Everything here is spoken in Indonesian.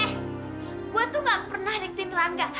eh gue tuh gak pernah ikutin rangga